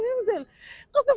menutup dan menutup